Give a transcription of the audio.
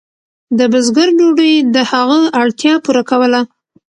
د بزګر ډوډۍ د هغه اړتیا پوره کوله.